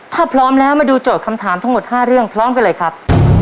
ถ้าพร้อมแล้วมาดูโจทย์คำถามทั้งหมด๕เรื่องพร้อมกันเลยครับ